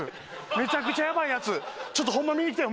めちゃくちゃヤバいやつちょっとホンマ見にきてよ